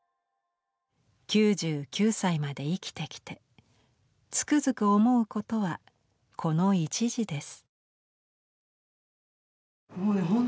九十九歳まで生きてきてつくづく想うことはこの一事です」。